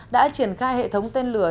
đã triển khai hệ thống tên lửa